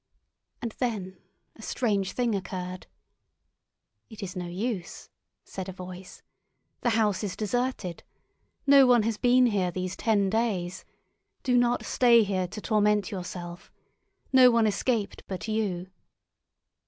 And then a strange thing occurred. "It is no use," said a voice. "The house is deserted. No one has been here these ten days. Do not stay here to torment yourself. No one escaped but you."